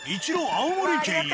青森県へ。